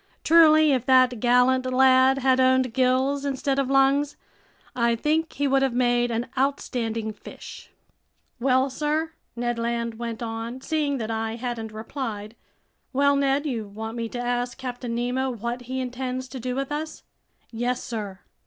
Truly, if that gallant lad had owned gills instead of lungs, I think he would have made an outstanding fish! "Well, sir?" Ned Land went on, seeing that I hadn't replied. "Well, Ned, you want me to ask Captain Nemo what he intends to do with us?" "Yes, sir."